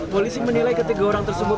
polisi menilai ketiga orang tersebut